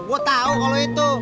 gue tau kalau itu